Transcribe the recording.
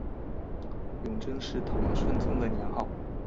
永贞是唐顺宗的年号。